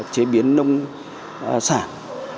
chế biến nông sản